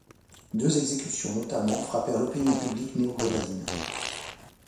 Deux exécutions notamment frappèrent l'opinion publique néogrenadine.